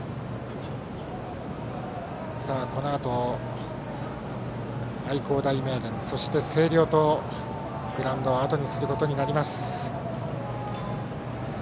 このあと、愛工大名電そして星稜とグラウンドをあとにすることになります。